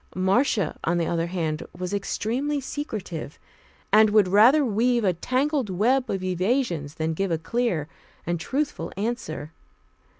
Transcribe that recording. Marcia, on the other hand, was extremely secretive, and would rather weave a tangled web of evasions than give a clear and truthful answer.